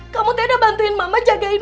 kamu tuh udah bantuin mama jagain warung